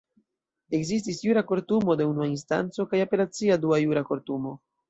Ekzistis jura kortumo de unua instanco, kaj apelacia dua jura kortumo.